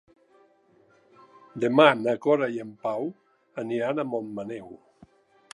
Demà na Cora i en Pau aniran a Montmaneu.